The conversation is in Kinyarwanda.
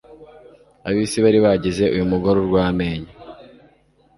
Ab'isi bari bagize uyu mugore urw' amenyo;